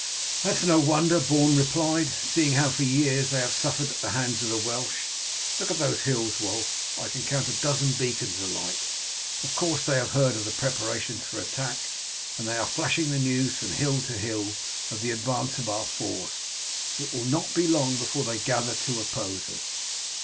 "That is no wonder," Beorn replied, "seeing how for years they have suffered at the hands of the Welsh. Look at those hills, Wulf, I can count a dozen beacons alight. Of course, they have heard of the preparations for attack, and they are flashing the news from hill to hill of the advance of our force. It will not be long before they gather to oppose us."